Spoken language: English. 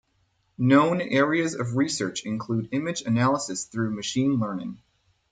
Known areas of research include image analysis through machine learning.